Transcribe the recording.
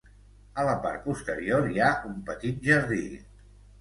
A la part posterior hi ha un petit jardí.